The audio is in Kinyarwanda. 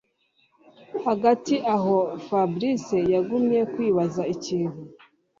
Hagati aho Fabric yagumye kwibaza ikintu